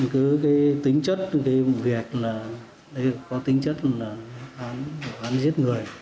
cái tính chất vụ việc là có tính chất là bắn giết người